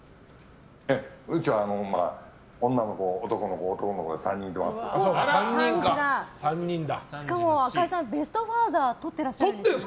うちは女の子、男の子男の子で３人いてます。